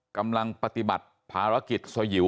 กำลังปฏิบัติภารกิจสยิว